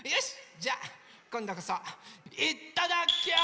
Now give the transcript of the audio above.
じゃあこんどこそいただきや。